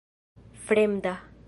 fremda